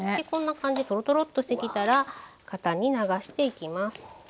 こんな感じトロトロッとしてきたら型に流していきます。